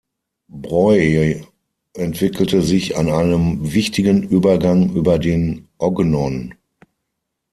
Broye entwickelte sich an einem wichtigen Übergang über den Ognon.